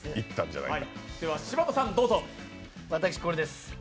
私、これです。